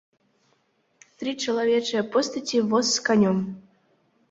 Тры чалавечыя постаці, воз з канём.